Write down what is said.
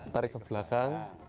tarik ke belakang